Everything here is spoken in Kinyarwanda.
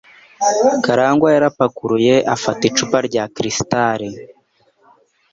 Karangwa yarapakuruye afata icupa rya Cristal.